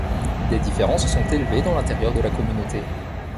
Des différends se sont élevés dans l'intérieur de la communauté.